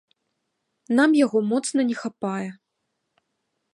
Нам яго моцна не хапае.